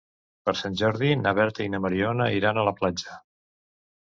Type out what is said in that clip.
Per Sant Jordi na Berta i na Mariona iran a la platja.